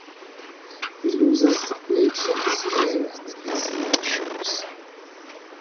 He loosens the plaits of his hair and the laces of his shoes.